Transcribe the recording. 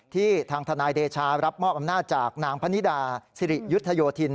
ทางทนายเดชารับมอบอำนาจจากนางพนิดาสิริยุทธโยธิน